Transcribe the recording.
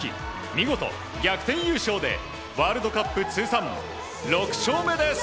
見事、逆転優勝でワールドカップ通算６勝目です。